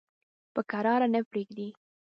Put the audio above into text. پر کراره نه پرېږدي.